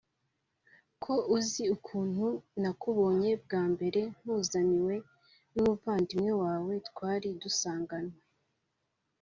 ko uzi ukuntu nakubonye bwa mbere nkuzaniwe n’umuvandimwe wawe twari dusanganwe